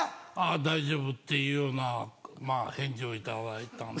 大丈夫っていうような返事を頂いたんで。